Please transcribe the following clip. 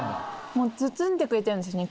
もう包んでくれてるんですよね。